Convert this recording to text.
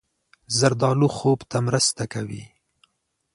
زردالو خوب ته مرسته کوي.